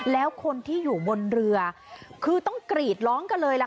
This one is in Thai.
แล้วคนที่อยู่บนเรือคือต้องกรีดร้องกันเลยล่ะค่ะ